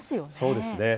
そうですね。